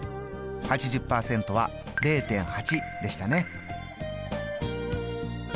８０％は０．８でしたね。